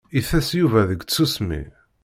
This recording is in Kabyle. Itess Yuba deg tsusmi.